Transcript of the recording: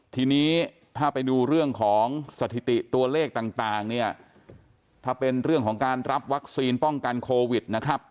ทีนี้ถ้าไปดูเรื่องของสถิติตัวเลขต่างเนี่ยถ้าเป็นเรื่องของการรับวัคซีนป้องกันโควิดนะครับ